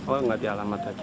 oh mengganti alamat saja